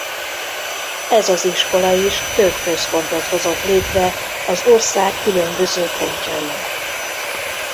Ez az iskola is több központot hozott létre az ország különböző pontjain.